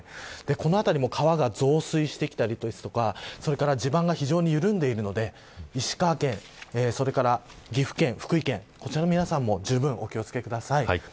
この辺りも川が増水してきたりですとか地盤が非常に緩んでいるので石川県それから岐阜県、福井県こちらの皆さんもじゅうぶんお気を付けください。